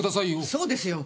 そうですよ！